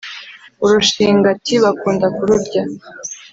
urushingati bakunda ku rurya